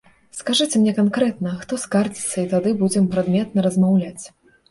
Скажыце мне канкрэтна, хто скардзіцца, і тады будзем прадметна размаўляць.